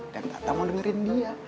dan tata mau dengerin dia